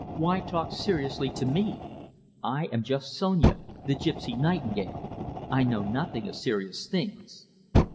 Why talk seriously to me! I am just Sonia, the gipsy nightingale. I know nothing of serious things."